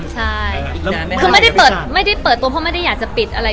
ใช่คือไม่ได้เปิดตัวเพราะไม่ได้อยากจะปิดอะไร